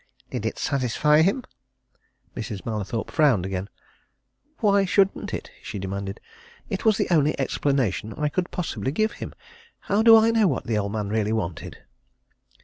"Did it satisfy him?" Mrs. Mallathorpe frowned again. "Why shouldn't I?" she demanded. "It was the only explanation I could possibly give him. How do I know what the old man really wanted?"